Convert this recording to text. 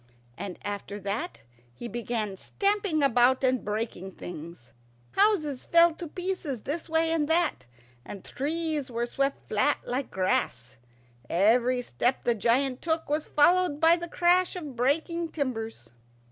And after that he began stamping about and breaking things. Houses fell to pieces this way and that, and trees were swept flat like grass. Every step the giant took was followed by the crash of breaking timbers.